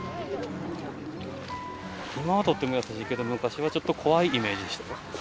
今はとっても優しいけど昔はちょっと怖いイメージでした。